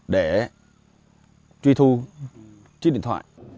để truy thu chiếc điện thoại